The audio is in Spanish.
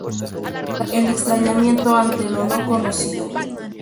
El extrañamiento ante lo no conocido.